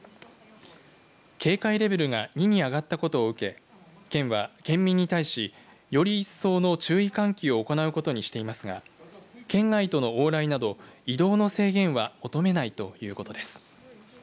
警戒レベルが２に上がったことを受け県は、県民に対しより一層の注意喚起を行うことにしていますが県外との往来など移動の制限は求めないということです。